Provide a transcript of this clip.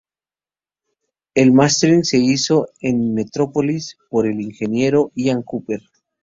El mastering se hizo en Metrópolis por el ingeniero Ian Cooper.